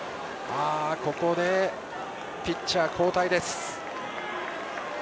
ここでピッチャー交代です。